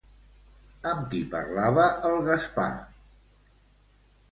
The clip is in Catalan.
Amb qui parlava el Gaspar?